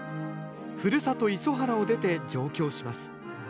ふるさと磯原を出て上京します。